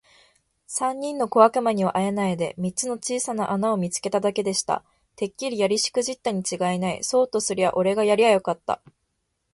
三人の小悪魔にはあえないで、三つの小さな穴を見つけただけでした。「てっきりやりしくじったにちがいない。そうとすりゃおれがやりゃよかった。」